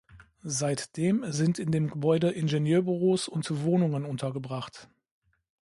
Seitdem sind in dem Gebäude Ingenieurbüros und Wohnungen untergebracht.